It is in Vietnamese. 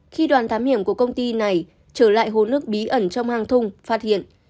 khi đoàn thám hiểm của công ty này trở lại hồ nước bí ẩn trong hang thung phát hiện